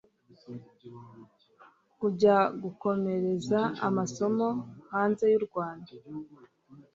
kujya gukomereza amasomo hanze y'u Rwanda